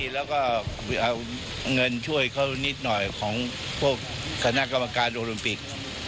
แล้วก็เอาเงินช่วยเขานิดหน่อยของพวกคณะกรรมการโอลิมปิก